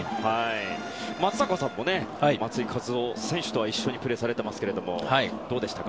松坂さんも、松井稼頭央選手とはプレーされていますけれどもどうでしたか？